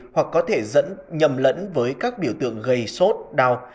hoặc có thể dẫn nhầm lẫn với các biểu tượng gây sốt đau